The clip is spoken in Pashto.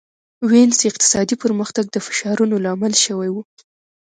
وینز اقتصادي پرمختګ د فشارونو لامل شوی و.